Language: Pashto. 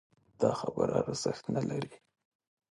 دا خبره ارزښت نه لري